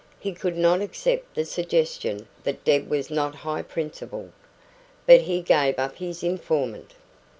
He could not accept the suggestion that Deb was not high principled. But he gave up his informant.